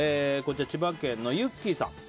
千葉県の方。